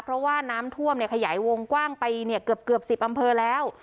เพราะว่าน้ำท่วมเนี่ยขยายวงกว้างไปเนี่ยเกือบเกือบสิบอำเภอแล้ว